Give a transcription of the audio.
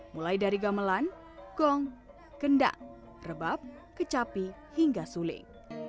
mulai dari gamelan gong kendang rebab kecapi hingga suling